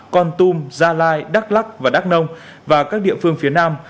con tum gia lai đắk lắc và đắk nông và các địa phương phía nam